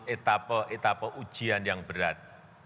etapa etapa ujian yang berat